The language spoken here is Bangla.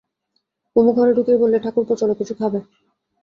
কুমু ঘরে ঢুকেই বললে, ঠাকুরপো, চলো কিছু খাবে।